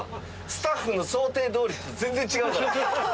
スタッフの想定どおりと全然違うから。